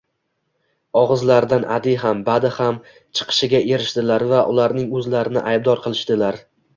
og‘izlaridan “adi” ham, “badi” ham chiqishiga erishdilar va ularning o‘zlarini aybdor qilishdilar.